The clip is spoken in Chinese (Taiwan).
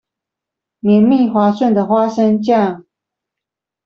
綿密滑順的花生醬